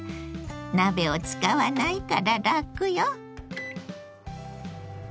鍋を使わないからラクよ！